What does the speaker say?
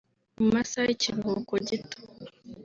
mu masaha y’ikiruhuko gito